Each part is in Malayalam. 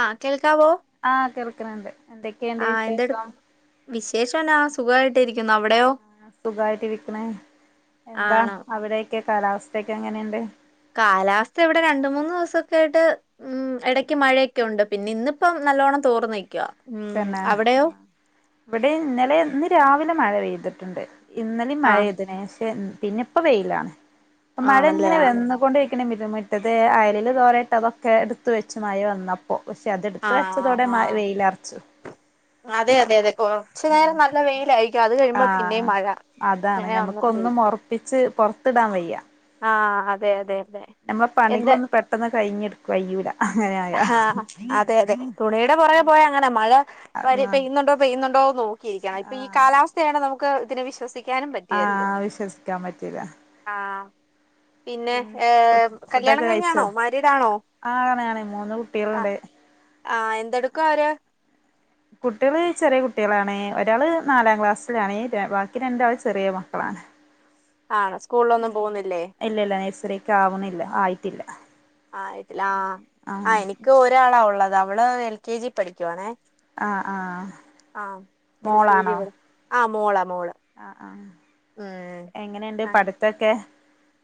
അ കേൾക്കാവോ? അണ്ട് എന്തൊക്കെയണ്ട് വിശേഷം? വിശേഷന സുഖമായി സുഖായിട്ട് ഇറിക്കണ എന്താ ആണോ അവിടേക്ക? കാലാവസ്ഥയൊക്കെ എങ്ങനെയുണ്ട്? കാലാവസ്ഥ ഇവിടെ രണ്ട് മൂന്ന് ദിവസൊക്കെ ആയിട്ട് ഉ ഇടക്ക് മഴയൊക്കെണ്ട് പിന്നെ ഇന്നിപ്പം നല്ലവോണം തോർ നിൽക്കുക. തന്നെ ഇവിഡിം ഇന്നലെ ഇന്ന് രാവിലെ മഴ പെയ്തിട്ടുണ്ട്. ഇന്നലിം മഴ ആഹ് പെയ്തിന് പക്ഷെ പിന്നെ ഇപ്പ വെയിലാണ് ഇപ്പ മഴ ആണല്ലേ ഇങ്ങനെ ആഹ് വന്ന് കൊണ്ട് രുമിട്ടത് അയലിൽ തോരട്ടത് ഒക്കെ എടുത്ത് വെച്ചുമഴ വന്നപ്പോ പേ പക്ഷെ അതെടുത്ത് വച്ചതോടെ ആഹ് മാഴ ആഹ് വെയിലറച്ചു. അതെ അതെ അതെ കൊറച്ചു നേരം നല്ല വെയിലായിരിക്കും അത് കഴിയുമ്പോ പിന്നെയും ആഹ് മഴ. അതാണ് അങ്ങനെ ഞമക്കൊന്നും വന്നോണ്ടിരിക്കും ഒറപ്പിച്ച് പൊറത്തിടാൻ വയ്യ ആഹ് അതെ അതെ അതെ നമ്മെ എന്ത് പണികളൊന്ന് പെട്ടെന്ന് കഴിഞ് കയ്യൂല ഇങ്ങനെ ആയാ ആഹ് അതെ അതെ തുണിയുടെ പോറെ പോയ അങ്ങനെ മഴ വ ആഹ് പെയ്യുന്നുണ്ടോ പെയ്യുന്നുണ്ടോ നോക്കിയിരിക്കണം ഇപ്പൊ ഈ ആഹ് കാലാവസ്ഥയാണ് നമുക്ക് ത്തിന് വിശ്വസിക്കാനും പറ്റിയല്ലോ ആഹ് വിശ്വസിക്കാൻ പറ്റൂല ആഹ പിന്നെ ഹെ കല്യാണം കഴിന്നതാണോ മാര്യടണോ? ആണ് ആണ് മൂന്ന് കുട്ടികളുണ്ട്. ആഹ എന്തെടുക്കഅവർ? കുട്ടികള് ചെറിയ കുട്ടികളാണ് ഒരാള് നാലാം ക്ലാസ്സിലാണ് ബാക്കി രണ്ടാലും ചെറിയ മക്കളാണ്. [inaudible] ആണോ സ്കൂളിലൊന്നും പോകുന്നില്ലേ ഇല്ല ഇല്ല നഴ്സറിക്ക് ആവുന്നില്ല ആയിട്ടില്ല. ആയിട്ടില്ല ആ ആഹ് അഎനിക്ക് ഒരാളാള്ളത് അവള് എൽ കെ ജി പഠിക്കുവാണേ, ആഹ് ആഹ് അ എൽ കെ ജി ഇവൾ ആ മോള ആ ആ എങ്ങനെയുണ്ട് പഠിത്തൊക്കെ?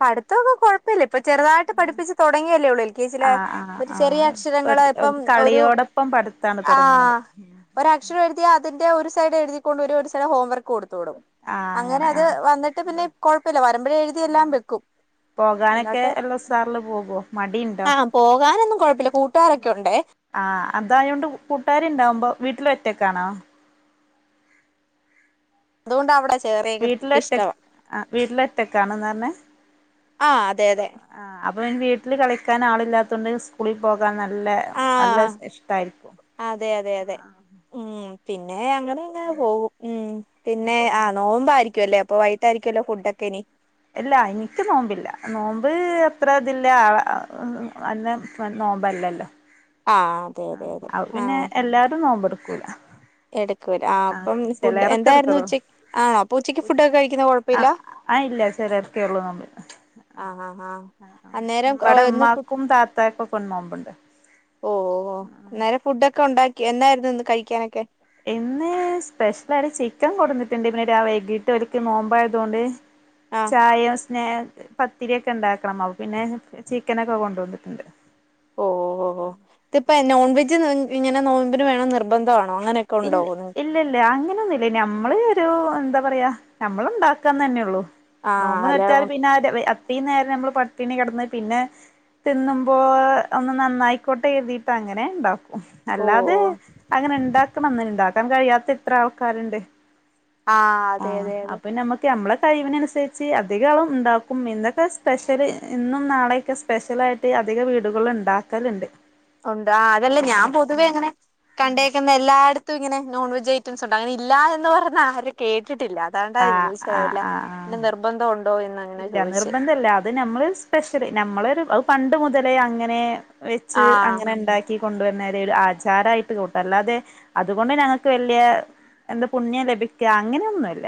പഠിത്തംക്കെ കുഴപ്പല്ല ഇപ്പൊ ചെറുതായിട്ട് പഠിപ്പിച്ച് തുടങ്ങിയല്ലേ ഉള്ളൂ എൽ കെ ജി ൽ ആഹ് ഒരു ആഹ് ചെറിയ അക്ഷരങ്ങള് ആഹ് പ്പം ഒരു കളിയോടൊപ്പം പഠിത്താണ് ആ തുടങ്ങുന്നത് ഒരക്ഷരമേഴുതിയ അത് [inaudible] കൊടുത്തുവിടും ആഹ് അങ്ങനെ അത് ആഹ് വന്നിട്ട് പിന്നെ കുഴപ്പമില്ല വരിംബയെ എഴുതിയെല്ലാം വെക്കും പോകാനൊക്കെ ങ്ങോട്ട് എൽ എസ് ആറില് പോകോ മടിയുണ്ടോ ആ പോകാനൊന്നും കൊഴപ്പില്ല കൂട്ടുകാരൊക്കെ ഉണ്ട് ആ അതായോണ്ട് കൂട്ടുകാര ഇണ്ടാവുമ്പോ വീട്ടിൽ ഒറ്റക്കാണോ? അതുകൊണ്ട് അവിടെ ചേറിയത് വീട്ടിലൊറ്റ ഇഷ്ടവാ ആ വീട്ടിലെറ്റക്കാണ്ന്ന് പറഞ്ഞെ? ആ അതെ അതെ അപ്പോ വീട്ടിൽ കളിക്കാൻ ആളില്ലാത്തുകണ്ട് സ്കൂളിൽ പോകാൻ, നല്ല ആ നല്ല ഇഷ്ടായിരിക്കും അതെ അതെ അതെ ഉം പിന്നെ അങ്ങനെങ്ങെ പോകും ഉ പിന്നെ ആ നോമമ്പാരിക്കും അല്ലേ അപ്പ വൈകട്ടായിരിക്കല്ലോ ഫുഡ് ഒക്കെ ഇനി? ഇല്ല എനിക്ക് നോമ്പില്ല നോമ്പ് അത്ര ഇതില്ല [unintelligible] നോമ്പ് അല്ലല്ലോ ആഹ് അതെ അതെ അതെ ആ പിന്നെ എല്ലാരും നോമ്പടുക്കൂല എടക്ക വര ആ അപ്പം ഫുഡ് എന്തായിരുന്നു എടുക്കുള്ളൂ ഉച്ചക്ക് ആണോ അപ്പൊ ഉച്ചയ്ക്ക് ഫുഡ്ക്കെ കഴിക്കുന്ന കുഴപ്പമില്ല ആ ഇല്ല ചെലർക്കോള്ളൂ നോമ്പ് ആഹ് ആഹ് ആഹ് അന്നേരം ഓ ഇവടെ ഒന്ന് ഫു ഉമ്മാക്കും താത്താക്കും ഒക്കെ നോമ്പ്ണ്ട് ഓ അന്നേരം ഫുഡൊക്കെ ഉണ്ടാക്കിയോ എന്തായിരുന്നു ഇന്ന് കഴിക്കാനൊക്കെ ഇന്ന് സ്പെഷ്യലായിട്ട് ചിക്കൻ കൊടുന്നിട്ടുണ്ട് ഇന്ന് വൈകീട്ട് ഇവർക്ക് നോമ്പായതുകൊണ്ട് ആഹ് ചായ പിന്നെ പത്തിരിയൊക്കെ ഉണ്ടാക്കണം അപ്പൊ പിന്നെ ചിക്കനൊക്കെ കൊണ്ടുവന്നിട്ടുണ്ട് ഓ ഓ ഇതിപ്പ നോൺവെജ് ഇങ്ങനെ നോമ്പ്ന് വേണംന്ന് നിർബന്ധണോ ഇല്ല ഇല്ല അങ്ങനെയൊന്നുല്ല നമ്മള് എന്താ പറയാ നമ്മള് ഉണ്ടാക്കാന്ന് തന്നെള്ളൂ ആഹ് നോമ്പ് അല്ല നോറ്റാൽ പിന്നെ ഈ നേരം നമ്മള് പട്ടണി കെടന്ന് പിന്നെ തിന്നുമ്പോ ഒന്ന് നന്നായിക്കോട്ടെ കരിതിയിട്ട് അങ്ങനെ ഉണ്ടാവും ഓ ഓ അല്ലാതെ അങ്ങനെ ഇണ്ടാക്കണംന്ന് ഇണ്ടാക്കാൻ കഴിയാത്ത എത്ര ആൾക്കാരിണ്ട് ആഹ് ആ അതെ അതെ അതെ അപ്പൊ നമ്മക്ക് നമ്മളെ ടൈമിനനുസരിച്ച് അധിക ആളും ഇണ്ടാക്കും ഇന്നൊക്കെ സ്പെഷ്യല് ഇന്നും നാളെയൊക്കെ സ്പെഷ്യലായിട്ട് അധിക വീടുകൾ ഉണ്ടാക്കലുണ്ട് ഉണ്ട് ആ അതല്ലേ ഞാൻ ആഹ് പൊതുവെ അങ്ങനെ കണ്ടേക്കുന്നേ എല്ലായിടത്തും ഇങ്ങനെ നോൺ വെജ് ഐറ്റംസ് ഉണ്ട് അങ്ങനെ ഇല്ല എന്ന് പറഞ്ഞ് ആരും കേട്ട് ട്ടില്ല അതൊണ്ട ആഹ് ആഹ് ആഹ് പിന്നെ ആഹ് നിർബന്ധം ഉണ്ടോ എന്ന് അങ്ങനെ ഇല്ല ചോദിച്ചേ നിർബന്ധല്ല അത് നമ്മള് സ്പെഷ്യല് നമ്മള് ഒരു പണ്ട് മുതലേ അങ്ങനെ വെച്ച് ആഹ് അങ്ങനെ ഇണ്ടാക്കി കൊണ്ടുവരണത് ആചാര ആയിട്ട് കൂട്ട അല്ലാതെ അതുകൊണ്ട് ഞങ്ങക്ക് വല്യ എന്ത് പുണ്യം ലഭിക്ക അങ്ങനെയൊന്നുല്ല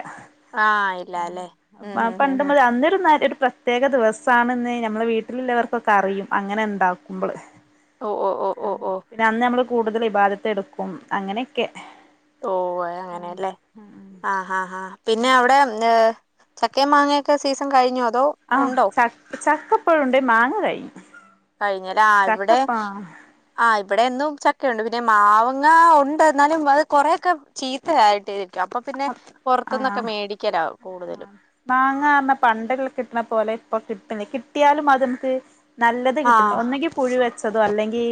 ആ ഇല്ല അല്ലെ ഉം ഉം ഉം ഇതൊരു ഒരു പ്രത്യേക ദിവസാണ്ന്ന് നമ്മളെ വീട്ടിലുള്ളവർക്കൊക്കെ അറിയും അങ്ങനെ ഇണ്ടാക്കുമ്പള് ഓ ഓ ആ ഓ ഓ പിന്നെ അന്ന് നമ്മള് കൂടുതൽ ഇബാധത്ത് എടുക്കും അങ്ങനെയൊക്കെ ഓ അങ്ങനെലേ ആ ആ ആ പിന്നെ അവിടെ ചക്ക മാങ്ങയൊക്കെ സീസൺ കയിഞ്ഞോ ആ ച ചക്കപ്പഴുണ്ട് മാങ്ങ കഴിഞ്ഞു കഴിഞ്ഞല് ആ ഇവിടെ ചക്കപ്പ ആ ഇവിടെന്നും ചക്കയുണ്ട് പിന്നെ മാവ്ങ്ങ ഉണ്ട് എന്നാലും അത് കുറെയൊക്കെ ചീത്തയായിട്ട് ആ കൂടുതലും മാങ്ങ പണ്ട്ള്ള കിട്ടണ പോലെ ഇപ്പൊ കിട്ടണില്ല കിട്ടിയാലും അത് നമുക്ക് നല്ലത് കിട്ടില്ല ആഹ് ഒന്നെങ്കി പുഴ വെച്ചതോ അല്ലെങ്കിൽ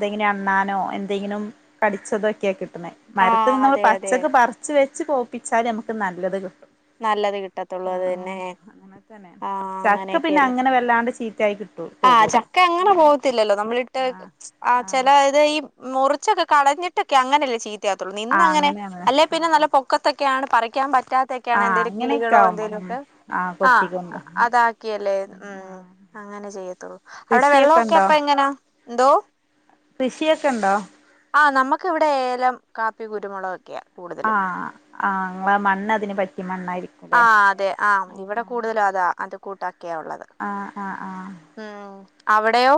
എന്തെ അണ്ണാനോ എന്തെങ്കിലും കടിച്ചതോക്കെയാ കിട്ടണെ മരത്തിൽ ആഹ് നിന്ന് നമ്മൾ അതെ അതെ പച്ചക്ക് പറിച്ച് പോയ്പിച്ചാല് നമുക്ക് നല്ലത് കിട്ടും നല്ലത് കിട്ടത്തുള്ളൂ ആ അത് തന്നെ അങ്ങനെ തന്നെയാണ് ആഹ് ചക്ക പിന്നെ അങ്ങനെ വല്ലാണ്ട് ചീ ആ ചക്ക അങ്ങനെ പോകത്തില്ലല്ലോ നമ്മളിട്ട് ആഹ് ആ ആഹ് ചെല ഇത് ഈ മുറിച്ചൊക്കെ കടഞ്ഞിട്ടൊക്കെ അങ്ങനെയല്ലേ ചീത്തയാകത്തുള്ളൂ നിന്ന് ആഹ് അങ്ങനെ അങ്ങനെയാണ് അല്ലെ പിന്നെ ആഹ് നല്ല പൊക്കത്തൊക്കെ ഒക്കെയാണ് പറക്കാൻ പറ്റാത്തൊക്കെയാണ് ആഹ് എന്തേലും അങ്ങനെയൊക്കെ കിളികളോ ആവുമ്പോ ഉം എന്തെങ്കലൊക്കെ ആഹ് ആ കൊത്തിക്കൊണ്ട് അതാക്കിയല്ലേ ഉം അങ്ങനെ ചെയ്യത്തൊള്ളോ അവിടെ കൃഷിയൊക്കെ വെള്ളൊക്കെ ഉണ്ടോ അപ്പ എങ്ങനാ കൃഷിയൊക്കെ ഉണ്ടോ ആ നമ്മക്ക് ഇവിടെ ഏലം കാപ്പി കുരുമുളകൊക്കെയാ ആ കൂടുതലും ആ മണ്ണ് അതിനെ പറ്റി ആ അതെ ആ ഇവിടെ കൂടുതലും അതാ അത് കൂട്ടക്കെയാ ഉള്ളത് ആഹ് ആഹ് ആഹ് ഉം അവിടെയോ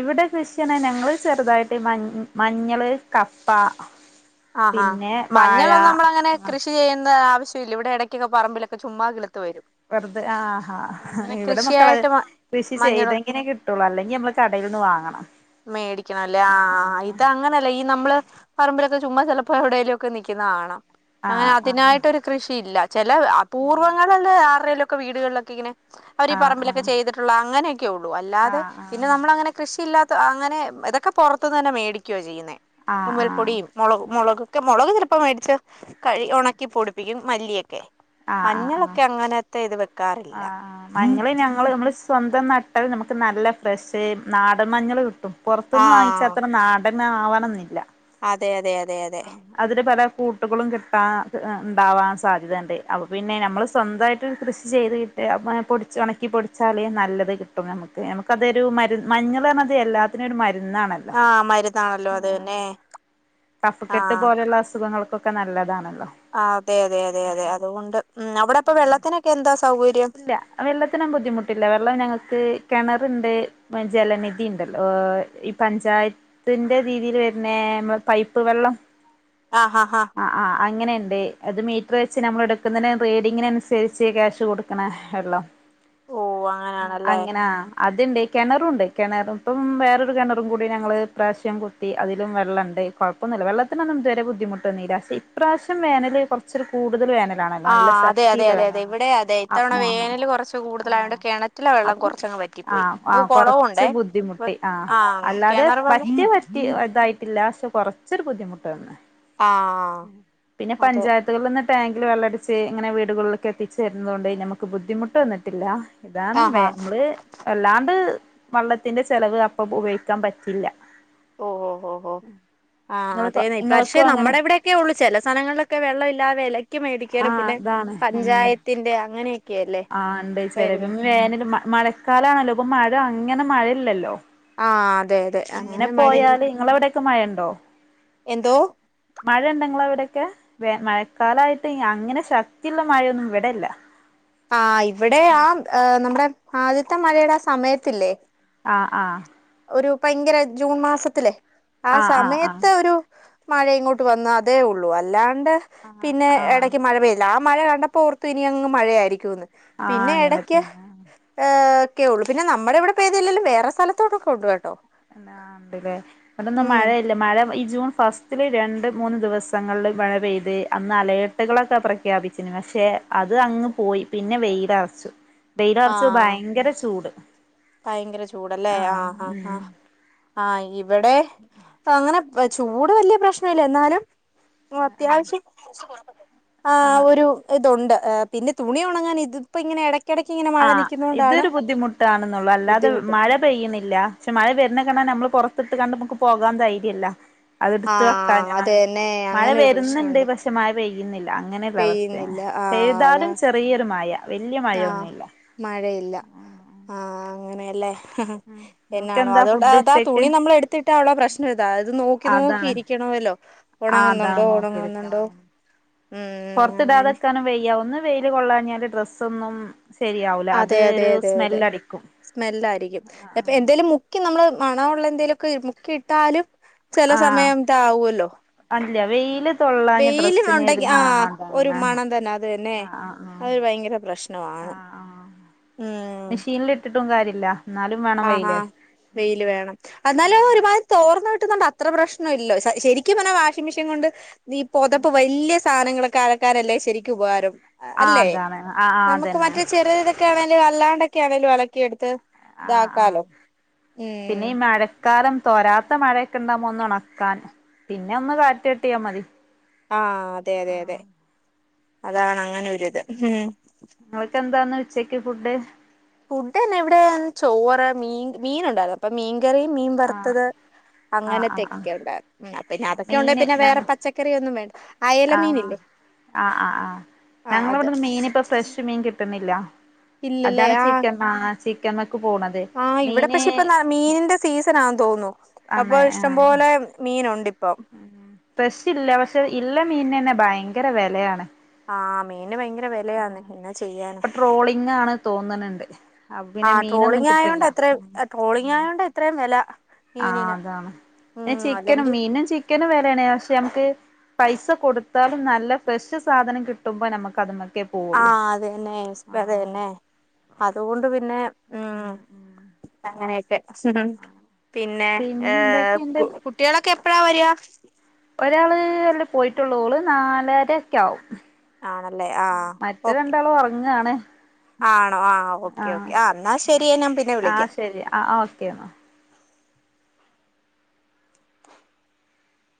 ഇവിടെ കൃഷിയണ ഞങ്ങള് ചെറുതായിട്ട് മ മഞ്ഞള് കപ്പ ആഹാ പിന്നെ വാഴ മഞ്ഞളൊ നമ്മള് അങ്ങനെ ആഹ് കൃഷി ചെയ്യേണ്ട ആവശ്യ ഇവിടെക്കൊക്കെ പറമ്പിലൊക്കെ ചുമ്മാ കിളിർക്കും വെറുതെ ആഹാ ഇവിടെ മക്കള് കൃഷിയായിട്ട് മ കൃഷി മഞ്ഞളൊന്നും ചെയ്തെങ്ങനെ കിട്ടുള്ളൂ അല്ലെങ്കിൽ നമ്മള് കടയിൽ നിന്ന് വാങ്ങണം മേടിക്കണംല്ലേ ആഹ് ഇത് അങ്ങനെല്ല ഈ നമ്മള് പറമ്പിലൊക്കെ ചുമ്മാ ചിലപ്പോൾ എവിടേലുംഒക്കെ നിൽക്കുന്ന കാണാം. അങ്ങനെ ആഹ് ആഹ് ആഹ് അതിനായിട്ടൊരു കൃഷിയില്ല ചില അപൂർവ്വങ്ങളല്ല ആറലൊക്കെ വീടുകളിലൊക്കെ ഇങ്ങനെ അവര് ഈ പറമ്പിലൊക്കെ ആഹ് ചെയ്തിട്ടുള്ള അങ്ങനെയൊക്കെ ഉള്ളൂ അല്ലാതെ ആഹ് ആഹ് പിന്നെ ആഹ് നമ്മള് അങ്ങനെ കൃഷിയില്ലാത്ത അങ്ങനെ ഇതൊക്കെ പുറത്തുന്ന് തന്നെ മേടിക്കയോചെയ്യുന്നേ ആഹ് ആഹ് മ്മൽപ്പൊടിയും മുളക് മുളക്. ഒക്കെ മുളക് ചെലപ്പം മേടിച്ച് കഴിക്കി ഉണക്കി പൊടിപ്പിക്കും മല്ലിയൊക്കെ. മഞ്ഞളൊക്കെ അങ്ങനത്തെ ഇത് വെ ആ ആ മഞ്ഞൾ ഞങ്ങള് നമ്മള് സ്വന്ത നട്ടൽ നമുക്ക് നല്ല ഫ്രഷ് നാടൻ മഞ്ഞൾ കിട്ടും ആ പുറത്ത്ന്ന് വാങ്ങിച്ച അത്ര നാട ൻ ആവണംന്നില്ല. അതെ അതെതെ. ആ അതിന്ന് പല. കൂട്ടുകളും കിട്ടാൻ ഉം ഉണ്ടാവാൻ സാധ്യതയുണ്ട് അപ്പോപിന്നെ നമ്മൾ സ്വന്തമായിട്ട് കൃഷി ചെയ്ത് [unintelligible] പൊടിച്ച് ഉണക്കി പൊടിച്ചാൽ നല്ലത് കിട്ടും നമുക്ക് നമുക്കതൊരു മരുന്ന് മഞ്ഞൾ പറഞ്ഞത് എല്ലാത്തിനും ഒരു മരു മരുന്നാണല്ലോ ആ മരുന്നാണല്ലോ അത് മ്മ് തന്നെ കഫക്കെട്ട് ആ പോലെയുള്ള അസുഖങ്ങൾക്കൊക്കെ നല്ലതാണല്ലോ ആ അതെ അതെ അതെ അതെ അതുകൊണ്ട് ഉം അവിടെപ്പൊ വെള്ളത്തിനൊക്കെ എന്താ സൗകര്യം ഇല്ല വെള്ളത്തിനും ബുദ്ധിമുട്ടില്ല വെള്ളം ഞങ്ങൾക്ക് കിണർ. ണ്ട് ജലനിധി ഉണ്ടല്ലോ ഏഹ് ഈ പഞ്ചായത്തിന്റെ രീതിയിൽ വര്ന്നെ പൈപ്പ് വെള്ളം. ആഹ് ആഹ് ആഹ ആ ആ അങ്ങനെയുണ്ട് അത് മീറ്റർ വെച്ച് നമ്മൾ എടുക്കുന്നതിന് റേഡിങ്ങിന് അനുസരിച്ച് ക്യാഷ് കൊടു [unintelligible] ഓ അങ്ങനെയാണല്ലേ അങ്ങനാ അതുണ്ട് കിണറുണ്ട് കിണറ് ഇപ്പം വേറൊരു കിണറും കൂടി ഞങ്ങൾ പ്രാവശ്യം കുത്തി അതിലും വെള്ള ണ്ട് കുഴപ്പന്നല്ല വെള്ളത്തിന് ഒന്നും ഇത് വരെ ബുദ്ധിമുട്ട് വന്നില്ല ഇപ്രാവിശ്യം വേനൽ കുറച്ച് കൂടുതൽ വേനൽ. [unintelligible] ആ നല്ല അതെ അതെ ശക്തിയില്ല അതെ വേന അതെ ഇവിടെ അതെ അ ഇത്തവണ വേനൽ കുറച്ച് ആ കൂടുതലായോണ്ട് കിണറ്റിലെ വെള്ളം അപ്പം കുറച്ചങ്ങ് ആ വറ്റിപ്പോയി ആ നമുക്ക് കുറച്ച് കുളവുണ്ടേ അപ്പൊ ബുദ്ധിമുട്ടി. ആഹ് ആ അല്ലാതെ കിണർ വെള്ളം പറ്റി പറ്റി ഇതായിട്ടില്ല പക്ഷെ കൊറച്ചൊരു ബുദ്ധിമുട്ട് വന്ന്. ആ പിന്നെ അതെ പഞ്ചായത്തുകളിന്ന് ടാങ്ക് ടാങ്കിൽ വെള്ളടിച്ച്ഇങ്ങനെവീടുകളിലൊക്കെ എത്തിച്ചുരുന്നത് കൊണ്ട് നമുക്ക് ബുദ്ധിമുട്ട് വന്നിട്ടില്ല. ഇതാണ് വെ ആഹാ നമ്മള് വല്ലാണ്ട് വള്ളത്തിന്റെ ചെലവ് അപ്പ ഉപയോഗിക്കാൻ പറ്റില്ല. ഓ ഓ ഓ ഓ. ആഹ് ഇങ്ങള് അതെന്നെ പക്ഷേ ഇങ്ങൾക്കും അങ്ങനെ നമ്മുടെ ഇവിടെയൊക്കെ ഉള്ളു ചില സ്ഥലങ്ങളിലൊക്കെ വെള്ളയില്ലാതെ അ [unintelligible] മേടിക്കാനും ആഹ് പിന്നെ പഞ്ചായത്തിന്റെ അങ്ങനെയെകെ. ആ ഇട്ട് എന്തച്ച വേ വേനൽ മഴക്കാലാണല്ലോ ഇപ്പൊ മഴ അങ്ങനെ മഴയില്ലല്ലോ ആ അതെ അതെ ഇങ്ങനെ അങ്ങനെ മഴയിൽ പോയാല് നിങ്ങളെവിടെക്കെ മഴ ഉണ്ടോ? എന്തോ മഴ ഇൻണ്ട നിങ്ങളെ അവിടെ മഴക്കാലായിട്ട് അങ്ങനെ ശക്തിയുള്ള മഴയൊന്നും ഇവിടെയില്ല. ആ ഇവിടെ ആ നമ്മുടെ ആദ്യത്തെ മഴയുടെ ആ സമയത്തില്ലേ. ആഹ ആഹ ഒരു ഭയങ്കര ജൂൺ മാസത്തിലെ ആ ആഹ് ആഹ് ആഹ് സമയത്ത് ഒരു. മഴ ഇങ്ങോട്ട് വന്ന അതേ ഉള്ളൂ അല്ലാണ്ട് ആഹ് പിന്നെ ആഹ് ഇടക്ക് മഴ പെയ്ല്ല. മഴ കണ്ടപ്പോ ഓർത്തു ഇനി അങ്ങ് മഴയായിരിക്കുംന്ന് ആഹ് പിന്നെ അങ്ങനെ ഇടക്ക് തന്നെ ഏഹ്. ക്കെ ഉള്ളു പിന്നെ നമ്മുടെ ഇവിടെ പെയ്തിലെലും വേറെ സ്ഥലത്തോടൊക്കെ ഉണ്ട് കേട്ടോ. ണ്ടല്ലേ ഇവിടൊന്നും ഉം മഴയില്ല മഴ ഈ ജൂൺ ഫസ്റ്റില് രണ്ട് മൂന്ന് ദിവസങ്ങളിൽ മഴ പെയ്ത് അന്ന് അലേർട്ടുകളൊക്കെ പ്രഖ്യാപിച്ചിന് പക്ഷേ പക്ഷെ അത് അങ്ങ് പോയി പിന്നെ വെയിലറച്ചു വെയിലറച്ചത് ആഹ് ഭയങ്കര ചൂട്. ഭയങ്കര ചൂടല്ലേ ആഹ് ആ ആഹ് ആഹ് ഇവിടെ അങ്ങനെ. ചൂട് വലിയ പ്രശ്നം ഇല്ല എന്നാലും ഉം അത്യാവശ്യം. ആ ആ് ഒരു ഇതുണ്ട് പിന്നെ തുണി ഉണങ്ങാൻ ഇതിപ്പോ ഇങ്ങനെ ഇടക്ക്. ആ ഇതൊരു ബുദ്ധിമുട്ടാണെന്നുള്ള. അല്ലാതെ ബുദ്ധിമുട്ട് മഴ പെയ്യുന്നില്ല പക്ഷെ മഴ വരുന്നേൻ്റെമുമ്പേ നമ്മൾ കൊറ പുറത്തിട്ടു കണ്ട് നമുക്ക് പോകാൻ ധൈര്യംല്ല ആ അതെടുത്ത് വെക്കാം ഞാൻ അതന്നെ മഴ അങ്ങനെ ഒരു വരുന്നുണ്ട് പ്രശ്നമുണ്ട് പക്ഷെ മഴ പെയ്യ യ്യുന്നില്ല അങ്ങനെ ഒരു അവസ്ഥയാണ് പെയ്യുന്നില്ല ആ അതാ പെയാതാലും ചെറിയൊരു മഴ വലിയ ആ മഴൊന്നുല്ല മഴയില്ല ആ അങ്ങനെയല്ലേ ഉം എന്നാണോ ഓക്കെന്താ അതൊണ്ട് ഫുഡ് അതാ ഉച്ചക്ക് തുണി നമ്മൾ എടുത്തിട്ടാ ഉള്ള പ്രശ്നംതാ അത് നോക്കി നോക്കി അതാണ് ഇരിക്കണം അല്ലോ ആഹ് ഉണങ്ങുന്നുണ്ടോ ഉണങ്ങുന്നുണ്ടോ ഉം പുറത്തു അങ്ങനെ ഇടാതെക്കാനും വെയ്യ ഒന്ന് വെയില് കൊള്ളാഞ്ഞാല് ഡ്രസ്സ് ഒന്നുംശരിക്കു ഉണങ്ങില്ല അതെ അതെ അതെ അതെ സ്മെല്ലായിരിക്കുംപ്പൊ എന്തേലും മുക്കി നമ്മള് വിരിച്ചിട്ടാൽ പ്രശ്ന മില്ല മണമുള്ള എന്തേലുമൊക്കെ മുക്കി ഇട്ടാലും ചില ആഹ് സമയം ഇതാവുമല്ലോ അല്ല വെയില് തൊള്ളാഞ്ഞ വെയിലും ഡ്രസ്സിന് ഉണ്ടെങ്കിൽ ആഹ് ഒരു അതാണ് ആഹ് മണം തന്നെ അത് തന്നെ ആഹ് അ ഭയങ്കര പ്രശ്നമാണ് മെഷീനൽ ഇട്ടിട്ടും കാര്യല്ല എന്നാലും വേണം ആഹ് വെയില് വെയില് വേണം എന്നാലും ഒരുപാട് തോർന്നകിട്ടും അത്ര പ്രശ്ന ഇല്ല ശരിക്കും പറഞ്ഞ വാഷിംഗ് മെഷീൻ കൊണ്ട് നീ പൊതപ്പ് വലിയ സാധനങ്ങളൊക്കെ അലക്കാനല്ലേ ശരിക്കും ഉപകാരം ആഹ് അല്ലേ അതാണ് ആഹ് ആഹ് നമുക്ക് അതന്നെ മറ്റേ ചെറ്ത് ആണും വല്ലാണ്ടൊക്കെ ആണേലും ഒണക്കിയെടുത്ത് ആഹ് ഇതാക്കാലോ ഉ അക്കാലം തൊരാത്ത മഴയൊക്കെ ഉണ്ടുമ്പോ ഒന്ന് ഉണക്കാൻ പിന്നെ ഒന്ന് കാറ്റ് തട്ടിയാ മതി ആഹ് അതെ അതെതെ അതാണ് അങ്ങനൊരിത് ഉം നിങ്ങൾക്ക് എന്താണ് ഉച്ചക്ക് ഫുഡ് ഫുഡ് തന്നെ ഇവിടെ ചോറ് മീൻ ഉണ്ടായിരുന്നു അപ്പൊ മീൻകറിയും മീൻ ആഹ് വറുത്തത് ആഹ് ആഹ് ആഹ് അങ്ങനത്തെക്കെ ഉണ്ടായി പിന്നെ അതൊക്കെ ഉണ്ടെ മീന് പിന്നെ വേറെ ഞങ്ങ പച്ചക്കറിയൊന്നും വേണ്ട അയല ആഹ് മീനില്ലേ ആഹ് ആ ആ ആഹ് ഞങ്ങള അത് ഇവിടുന്ന് മീൻ ഇപ്പൊ ഫ്രഷ് മീൻ കിട്ടുന്നില്ല ഇല്ലല്ലേ അതാണ് ആഹ് ചിക്കൻ വാങ്ങിക്കുന്നത് ആഹ് ഇവിടെ പക്ഷെ ഇപ്പൊ മീനിന്റെ സീസൺ ആ തോന്നുന്നു അപ്പോ ഇഷ്ടംപോലെ മീനുണ്ട് ഇപ്പം ഉം ഫ്രഷ് ഇല്ല പക്ഷെ ഇള്ള മീനെ ന്നെ ഭയങ്കര വിലയാണ് ആഹ് മീന് ഭയങ്കര വിലാന്ന് എന്നാ ചെയ്യാനാ ഇപ്പൊ ട്രോളിംഗ് ആണ് തോന്നണണ്ട് അപ്പൊ ആ പിന്നെ മീനൊന്നും ട്രോളിങ് ആയതോണ്ട് കിട്ടില്ല എത്രയും ട്രോളിങ് ആയോണ്ട് ഇത്രയും വില ആ മീനിന് അതാണ് ഉം ചിക്കനും അല്ലെങ്കി മീനും ചിക്കനും വിലയാണ് പക്ഷെ നമുക്ക് പൈസ കൊടുത്താലും നല്ല ഫ്രഷ് സാധനം കിട്ടുമ്പോൾ നമുക്ക് അത് മതി ആഹ് അതെന്നെ [unintelligible] അത് തന്നെ അതുകൊണ്ട് പിന്നെ ഉം ഉം അങ്ങനെയൊക്കെ ഉം പിന്നെ ഏ പിന്നെന്തൊക്കെയുണ്ട് കുട്ടികളൊക്കെ എപ്പഴാ വരുന്നേ ഒരാള് അല്ലേ പോയിട്ടൊള്ളു ഓള് നാലര ഒക്കെ ആവും ആണല്ലേ ആഹ് മറ്റേ ഓക്കെ രണ്ടാളും ഉറങ്ങാണ് ആണോ ആ ഓക്കെ ആഹ് ഓക്കെ ആ ന്നാ ശരി ഞാൻ പിന്നെ ആഹ് വിളിക്കാം ശരി ആഹ് ഓക്കെ എന്നാ